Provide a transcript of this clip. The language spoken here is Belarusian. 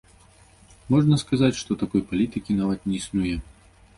Можна сказаць, што такой палітыкі нават не існуе.